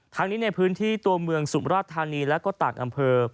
ทั้งนี้ในพื้นที่ตัวเมืองสุมราชธานีและก็ต่างอำเภอ